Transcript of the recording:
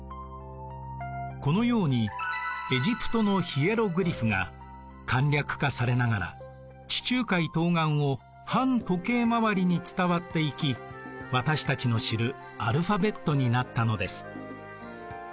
このようにエジプトのヒエログリフが簡略化されながら地中海東岸を反時計回りに伝わっていき私たちの知るアルファベットになったのです。